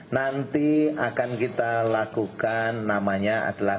nanti akan kita lakukan namanya adalah